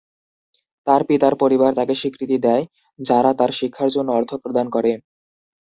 তার পিতার পরিবার তাকে স্বীকৃতি দেয়, যারা তার শিক্ষার জন্য অর্থ প্রদান করে।